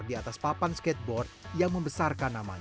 di atas papan skateboard yang membesarkan namanya